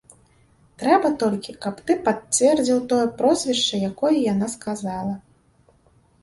Трэба толькі, каб ты пацвердзіў тое прозвішча, якое яна сказала.